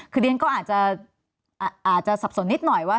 คือเรียนก็อาจจะสับสนนิดหน่อยว่า